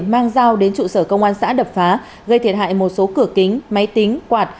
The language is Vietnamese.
mang dao đến trụ sở công an xã đập phá gây thiệt hại một số cửa kính máy tính quạt